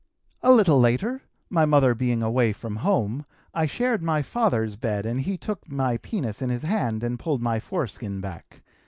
"A little later, my mother being away from home, I shared my father's bed and he took my penis in his hand and pulled my foreskin back.